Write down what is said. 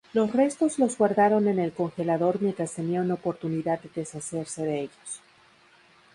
Los restos los guardaron en el congelador mientras tenían oportunidad de deshacerse de ellos.